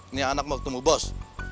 ini anak mau ketemu bos